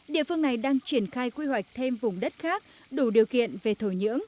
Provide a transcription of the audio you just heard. địa phương này đang triển khai quy hoạch thêm vùng đất khác đủ điều kiện về thổi nhiễm